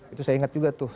itu saya ingat juga tuh